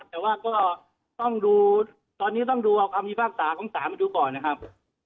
แต่ว่าก็ต้องดูตอนนี้ต้องดูเอาคำพิพากษาของศาลมาดูก่อนนะครับ